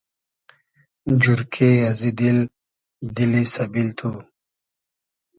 جورکې ازی دیل، دیلی سئبیل تو